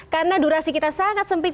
karena durasi kita sangat sempit